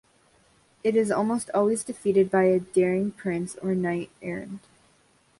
It is almost always defeated by a daring prince or knight-errant.